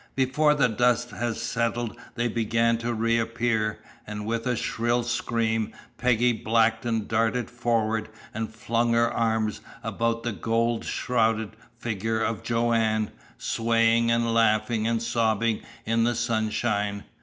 Before the dust had settled they began to reappear, and with a shrill scream Peggy Blackton darted forward and flung her arms about the gold shrouded figure of Joanne, swaying and laughing and sobbing in the sunshine.